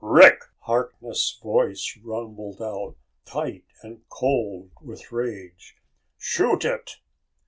"Rick!" Harkness' voice rumbled out, tight and cold with rage. "Shoot it!"